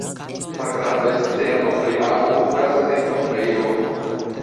La granda sceno pri amo, okazas en tombejo!